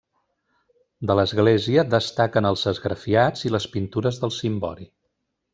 De l'església destaquen els esgrafiats i les pintures del cimbori.